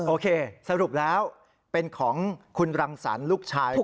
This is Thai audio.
โอเคสรุปแล้วเป็นของคุณรังสรรค์ลูกชาย